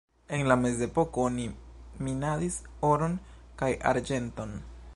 En la mezepoko oni minadis oron kaj arĝenton.